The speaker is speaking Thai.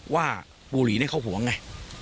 ว่าบุหรี่เนี่ยเขาห่วงไง